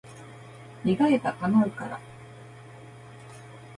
願えば、叶うから。